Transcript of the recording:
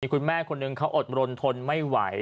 คุณแม่คนหนึ่งเขาอดรนทนไม่ไหว